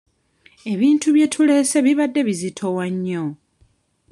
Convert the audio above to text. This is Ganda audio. Ebintu bye tuleese bibadde bizitowa nnyo.